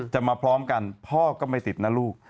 จะมาพร้อมกันพ่อก็ไม่ติดนะลูก